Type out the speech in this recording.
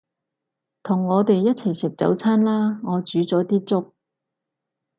同我哋一齊食早餐啦，我煮咗啲粥